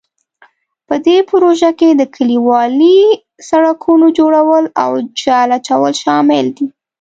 په دې پروژو کې د کلیوالي سړکونو جوړول او جغل اچول شامل دي.